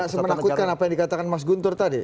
gak semenakutkan apa yang dikatakan mas gunter tadi